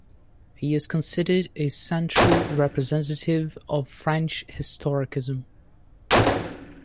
He is considered a central representative of French historicism.